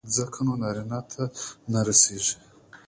ځکه نو نارينه ته نه رسېږي.